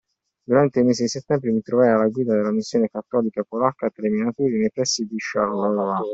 Durante il mese di settembre mi trovai alla guida della missione cattolica polacca, tra i minatori, nei pressi di Charleroi.